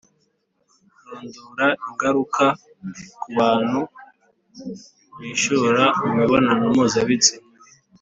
Rondora ingaruka ku bantu bishora mu mibonano mpuzabitsina